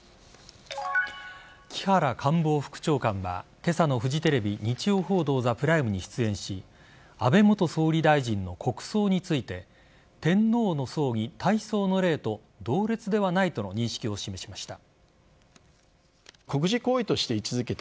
木原官房副長官は今朝のフジテレビ「日曜報道ＴＨＥＰＲＩＭＥ」に出演し安倍元総理大臣の国葬について天皇の葬儀・大喪の礼と同列ではないとの認識を示しました。